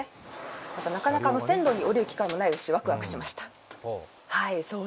なかなか線路に降りる機会もないし、ワクワクしました。